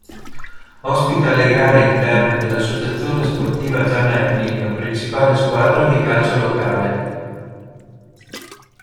Ospita le gare interne dell'Associazione Sportiva Giana Erminio principale squadra di calcio locale.